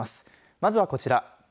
まずは、こちら。